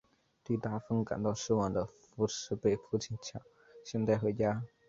对大风感到失望的福实被父亲强行带回家。